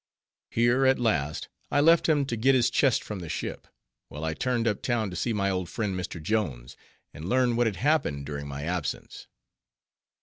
Here, at last, I left him to get his chest from the ship; while I turned up town to see my old friend Mr. Jones, and learn what had happened during my absence.